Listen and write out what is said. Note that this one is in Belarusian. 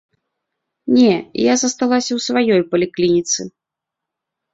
Не, я засталася ў сваёй паліклініцы.